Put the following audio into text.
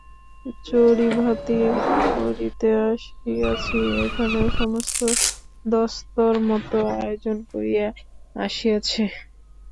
চড়িভাতি করিতে আসিয়াছি, এখানেও সমস্ত দস্তুরমত আয়োজন করিয়া আসিয়াছে।